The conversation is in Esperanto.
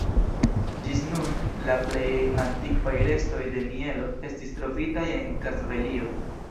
Ĝis nun, la plej antikvaj restoj de mielo estis trovitaj en Kartvelio.